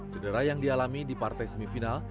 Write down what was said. cedera yang dialami di partai semifinal